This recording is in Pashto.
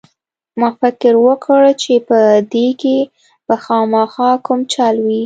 ما فکر وکړ چې په دې کښې به خامخا کوم چل وي.